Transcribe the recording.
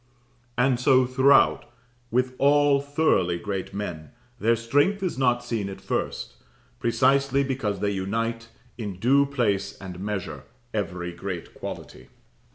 And so throughout with all thoroughly great men, their strength is not seen at first, precisely because they unite, in due place and measure, every great quality.